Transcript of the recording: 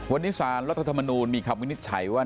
วันนี้สารรัฐธรรมนูลมีคำวินิจฉัยว่า